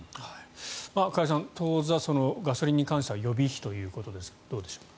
加谷さん、当座ガソリンに関しては予備費ということですがどうでしょうか。